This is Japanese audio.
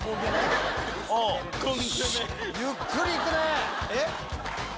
ゆっくり行くね！